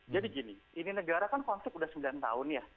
jadi gini ini negara kan konflik udah sembilan tahun ya